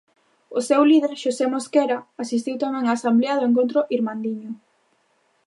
O seu líder, Xosé Mosquera, asistiu tamén á asemblea do Encontro Irmandiño.